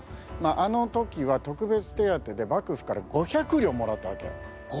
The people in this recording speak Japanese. あの時は特別手当で幕府から５００両もらったわけ。